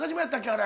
あれ。